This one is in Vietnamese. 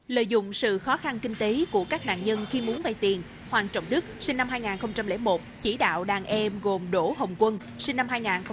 lợi dụng sự khó khăn kinh tế của các nạn nhân khi muốn vay tiền hoàng trọng đức sinh năm hai nghìn một chỉ đạo đàn em gồm đỗ hồng quân sinh năm hai nghìn ba